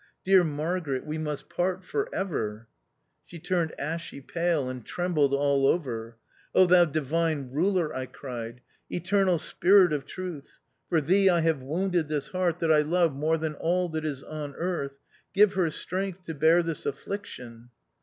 Dear Margaret, we must part — for ever." She turned ashy pale and trembled all over. " Thou Divine Ruler," I cried, " eternal Spirit of Truth, for Thee I have wounded this heart that I love more than all that is on earth. Give her strength to bear this affliction."